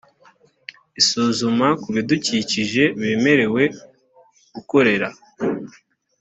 isuzuma ku bidukikije bemerewe gukorera